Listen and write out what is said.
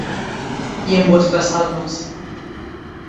Y en vuestras almas.